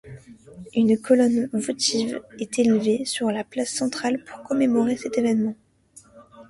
Une colonne votive est élevée sur la place centrale pour commémorer cet événement.